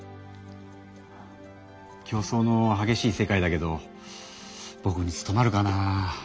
競争のはげしい世界だけどぼくに務まるかな。